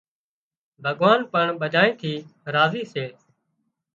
ڀڳوان پڻ ٻڌانئي ٿي راضي سي